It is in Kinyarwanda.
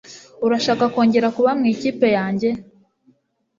Urashaka kongera kuba mu ikipe yanjye?